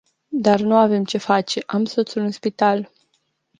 Dar nu avem ce face, am soțul în spital.